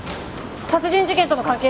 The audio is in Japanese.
殺人事件との関係は？